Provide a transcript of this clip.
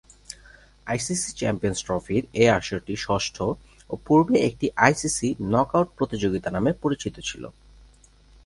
ICC champions ট্রফির এ আসরটি ষষ্ঠ ও পূর্বে এটি আইসিসি নক-আউট প্রতিযোগিতা নামে পরিচিত ছিল।